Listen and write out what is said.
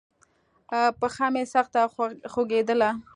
پښه مې سخته خوږېدله.